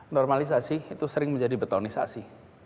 normalisasi itu sering menjadi betonisasi